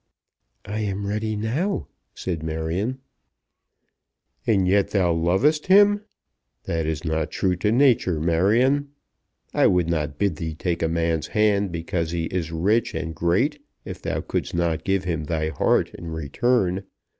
"I am ready now," said Marion. "And yet thou lovest him! That is not true to nature, Marion. I would not bid thee take a man's hand because he is rich and great if thou couldst not give him thy heart in return.